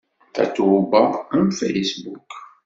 Tatoeba am Facebook?